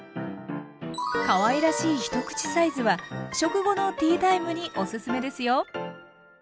かわいらしい一口サイズは食後のティータイムにおすすめですよ！